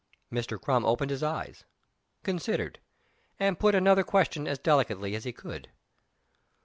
Mr. Crum opened his eyes considered and put another question as delicately as he could.